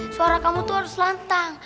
suara kamu tuh harus lantang